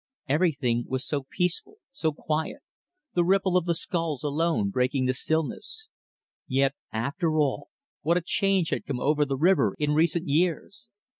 Everything was so peaceful, so quiet, the ripple of the sculls alone breaking the stillness. Yet, after all, what a change has come over the river in recent years!